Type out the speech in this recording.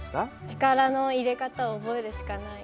力の入れ方を覚えるしかない。